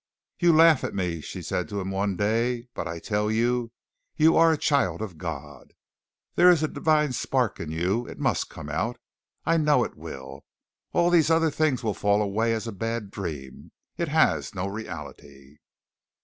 "You laugh at me," she said to him one day, "but I tell you you are a child of God. There is a divine spark in you. It must come out. I know it will. All this other thing will fall away as a bad dream. It has no reality."